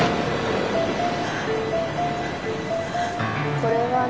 これはね